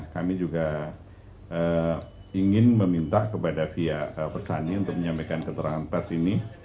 kami juga ingin meminta kepada pihak persani untuk menyampaikan keterangan pers ini